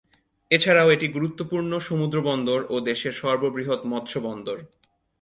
এছাড়াও, এটি গুরুত্বপূর্ণ সমুদ্রবন্দর ও দেশের সর্ববৃহৎ মৎস্য বন্দর।